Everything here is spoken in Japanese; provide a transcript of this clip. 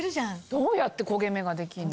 どうやって焦げ目ができんの？